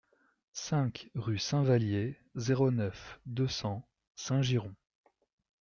cinq rue Saint-Valier, zéro neuf, deux cents Saint-Girons